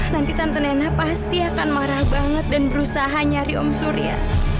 nanti tante nena pasti akan marah banget dan berusaha nyari om surya